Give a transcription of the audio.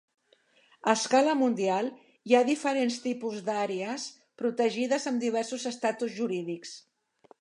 A escala mundial, hi ha diferents tipus d'àrees protegides amb diversos estatus jurídics.